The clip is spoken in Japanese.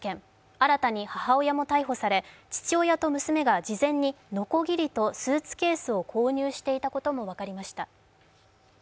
新たに母親も逮捕され、父親と娘が事前にのこぎりとスーツケースを購入していたことも分かりました。